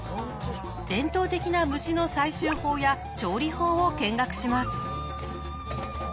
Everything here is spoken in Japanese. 伝統的な虫の採集法や調理法を見学します。